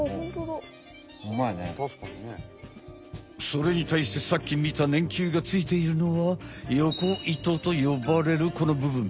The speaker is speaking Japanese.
それにたいしてさっきみた粘球がついているのはヨコ糸と呼ばれるこのぶぶん。